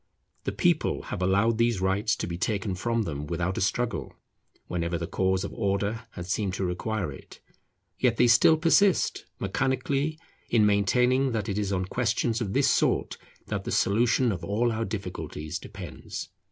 The people have allowed these rights to be taken from them without a struggle whenever the cause of Order has seemed to require it; yet they still persist, mechanically, in maintaining that it is on questions of this sort that the solution of all our difficulties depends.